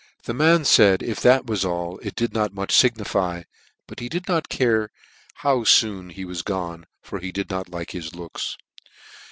The man faid if that was all it did not much fignify, but he did not care how foon he was gone, for he did not like his looks.